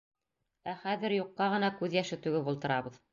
Ә хәҙер юҡҡа ғына күҙ йәше түгеп ултырабыҙ!